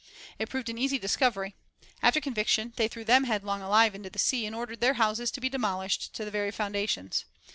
It proved an easy discovery. After conviction they threw them headlong alive into the sea, and ordered their houses to be demolished to the very foundations.